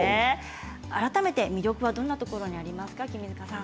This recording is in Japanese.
改めて魅力はどんなところですか。